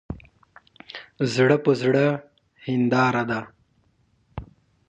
پیاله د اخترونو خوند زیاتوي.